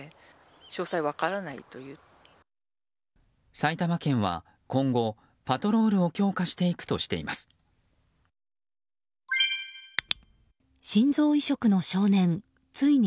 埼玉県は今後、パトロールを強化していくとしています。